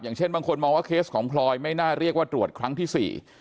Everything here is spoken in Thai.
เช่นบางคนมองว่าเคสของพลอยไม่น่าเรียกว่าตรวจครั้งที่สี่